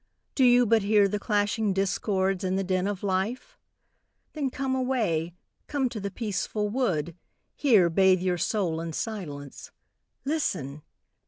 Do you but hear the clashing discords and the din of life? Then come away, come to the peaceful wood, Here bathe your soul in silence. Listen!